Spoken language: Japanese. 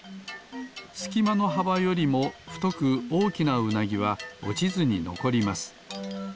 すきまのはばよりもふとくおおきなウナギはおちずにのこります。